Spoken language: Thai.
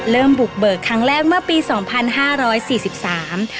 บุกเบิกครั้งแรกเมื่อปีสองพันห้าร้อยสี่สิบสาม